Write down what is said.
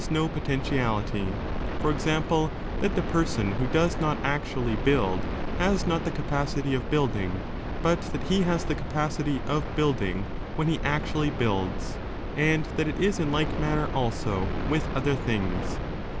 ig no potentiality ; for example, that the person who does not actucJly build has not the capacity of building, but that he has the capacity of building when he actually builds, and that it is in like manner, also, with other things.